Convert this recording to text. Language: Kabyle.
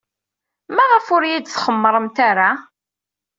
Maɣef ur iyi-d-txemmremt ara?